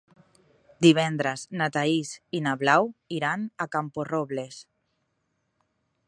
Divendres na Thaís i na Blau iran a Camporrobles.